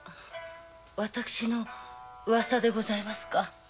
私のうわさでございますか？